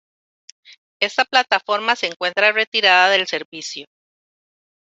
Esta plataforma se encuentra retirada del servicio.